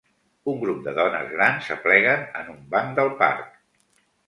Un grup de dones grans s'apleguen en un banc del parc.